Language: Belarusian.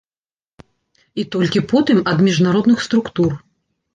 І толькі потым ад міжнародных структур.